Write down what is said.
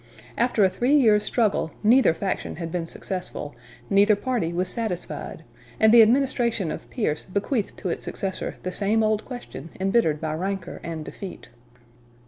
After a three years' struggle neither faction had been successful, neither party was satisfied; and the administration of Pierce bequeathed to its successor the same old question embittered by rancor and defeat.